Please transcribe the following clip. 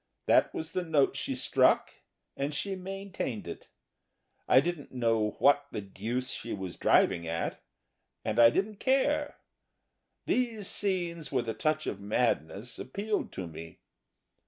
That was the note she struck, and she maintained it. I didn't know what the deuce she was driving at, and I didn't care. These scenes with a touch of madness appealed to me.